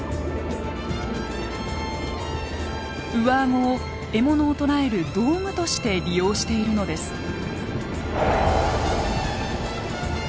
上顎を獲物を捕らえる道具として利用しているのです。